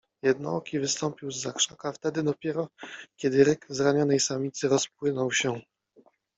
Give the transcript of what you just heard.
Jednooki wystąpił zza krzaka wtedy dopiero, kiedy ryk zranionej samicy rozpłynął się